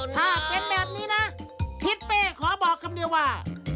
ถ้าเป็นแบบนี้นะทิศเป้ขอบอกคำเดียวว่า